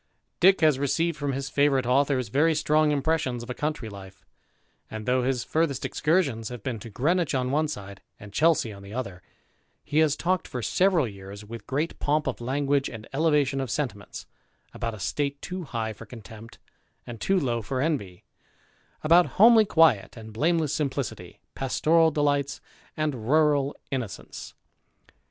Dick has received from his favourite authors very strong impressions of a country life ; and though his furthest excursions have been to Greenwich on one side, and Chelsea on the other, he has talked for several years, with great pomp of language and elevation of sentiments, about a state too high for contempt and too low for envy, about homely quiet and blameless simplicity, pastoral delights and rural innocence.